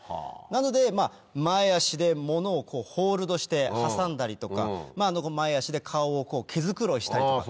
なので前足で物をホールドして挟んだりとか前足で顔を毛繕いしたりとか。